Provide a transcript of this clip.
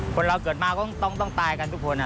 คนเราเกิดมาก็ต้องตายกันทุกคน